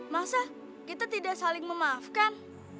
masa kita tidak saling memaafkan